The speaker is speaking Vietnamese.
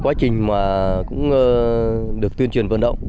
quá trình mà cũng được tuyên truyền vận động